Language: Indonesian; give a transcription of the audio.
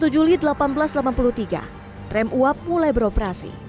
satu juli seribu delapan ratus delapan puluh tiga tram uap mulai beroperasi